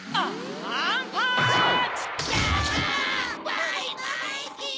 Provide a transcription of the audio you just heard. バイバイキン！